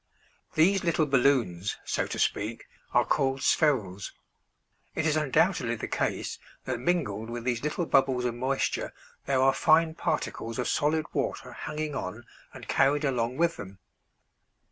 These little balloons, so to speak, are called spherules. It is undoubtedly the case that mingled with these little bubbles of moisture there are fine particles of solid water hanging on and carried along with them.